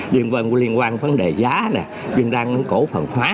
liên quan đến vấn đề giá liên quan đến cổ phần hóa